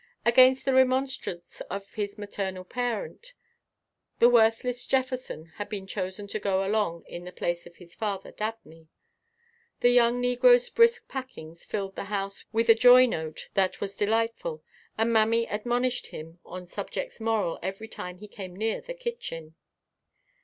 Against the remonstrance of his maternal parent, the worthless Jefferson had been chosen to go along in the place of his father Dabney. The young negro's brisk packings filled the house with a joy note that was delightful and Mammy admonished him on subjects moral every time he came near the kitchen.